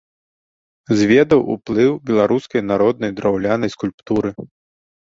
Зведаў уплыў беларускай народнай драўлянай скульптуры.